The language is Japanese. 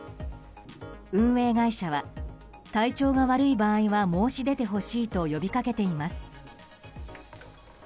運営会社は、体調が悪い場合は申し出てほしいと呼びかけています。